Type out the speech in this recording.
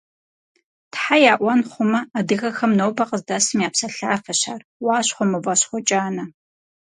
Тхьэ яӀуэн хъумэ, адыгэхэм нобэр къыздэсым я псалъафэщ ар – «Уащхъуэ мыващхъуэ кӀанэ!».